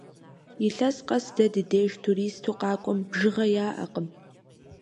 Илъэс къэс дэ ди деж туристу къакӀуэм бжыгъэ яӀэкъым.